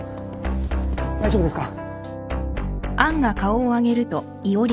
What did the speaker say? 大丈夫ですか？